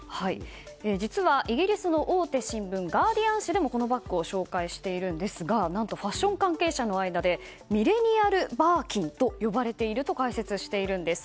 実は、イギリスの大手新聞ガーディアン紙でもこのバッグを紹介しているんですが何と、ファッション関係者の間でミレニアル・バーキンと呼ばれていると解説しているんです。